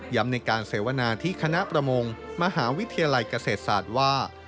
ในการเสวนาที่คณะประมงมหาวิทยาลัยเกษตรศาสตร์ว่า